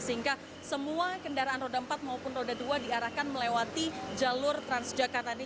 sehingga semua kendaraan roda empat maupun roda dua diarahkan melewati jalur transjakarta ini